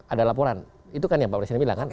ada laporan itu kan yang pak presiden bilang kan